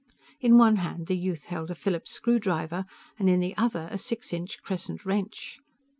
In one hand the youth held a Phillips screw driver, in the other a six inch crescent wrench.